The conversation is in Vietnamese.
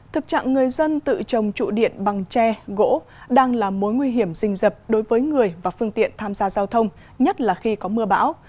thực trạng người dân tự trồng trụ điện bằng tre gỗ đang là mối nguy hiểm rình rập đối với người và phương tiện tham gia giao thông nhất là khi có mưa bão